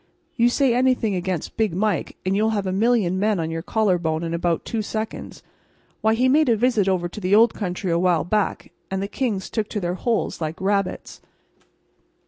You say anything against Big Mike, and you'll have a million men on your collarbone in about two seconds. Why, he made a visit over to the old country awhile back, and the kings took to their holes like rabbits.